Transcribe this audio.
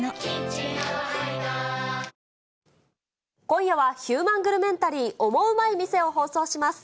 今夜はヒューマングルメンタリーオモウマい店を放送します。